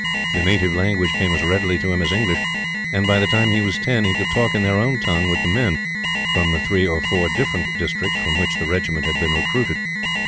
The native language came as readily to him as English and, by the time he was ten, he could talk in their own tongue with the men from the three or four different districts from which the regiment had been recruited.